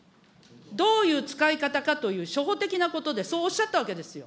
どういう使い方かという初歩的なことで、そうおっしゃったわけですよ。